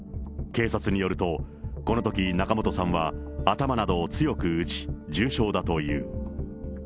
警察によると、このとき仲本さんは頭などを強く打ち、重傷だという。